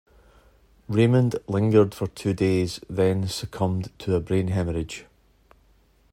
Raymond lingered for two days then succumbed to a brain hemorrhage.